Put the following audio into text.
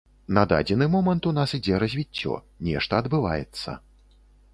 На дадзены момант у нас ідзе развіццё, нешта адбываецца.